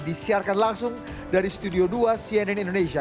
disiarkan langsung dari studio dua cnn indonesia